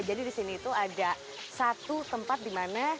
jadi disini itu ada satu tempat dimana